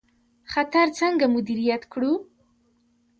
خطر څنګه مدیریت کړو؟